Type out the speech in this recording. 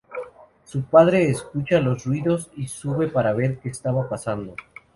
Su padre escucha los ruidos y sube para ver que estaba pasando.